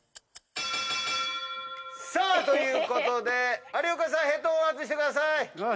さあということで有岡さんヘッドホン外してください。